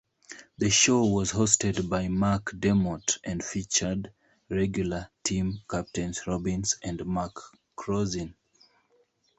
The show was hosted by McDermott and featured regular team captains Robins and McCrossin.